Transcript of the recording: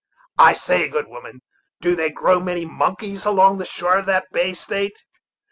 I say, good woman, do they grow many monkeys along the shores of that Bay of State?"